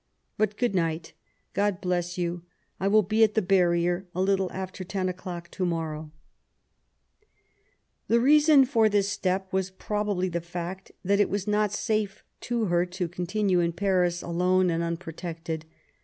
But good night I God bless you I ... I will be at the barrier a little after ten o'clock to morrow. LIFE WITH IMLAT. 127 The reason for this step was probably the fact that it was not safe to her to continue in Paris alone and unprotected.